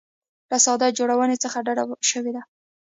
له ساده جوړونې څخه ډډه شوې ده.